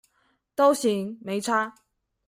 都行，沒差